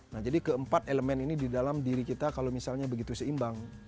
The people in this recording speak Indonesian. nah jadi keempat elemen ini di dalam diri kita kalau misalnya begitu seimbang